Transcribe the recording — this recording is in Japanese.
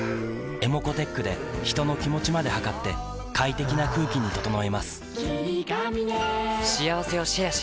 ｅｍｏｃｏーｔｅｃｈで人の気持ちまで測って快適な空気に整えます